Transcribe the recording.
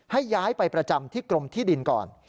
ให้ย้ายไปประจำที่กรมที่ดินก่อน